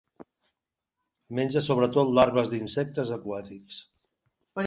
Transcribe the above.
Menja sobretot larves d'insectes aquàtics.